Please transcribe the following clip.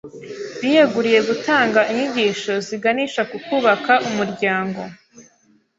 biyeguriye gutanga inyigisho ziganisha ku kubaka umuryango